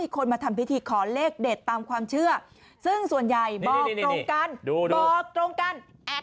เก็บตามความเชื่อซึ่งส่วนใหญ่บอกตรงกัน